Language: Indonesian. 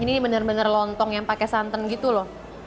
ini benar benar lontong yang pakai santan gitu loh